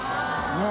ねえ。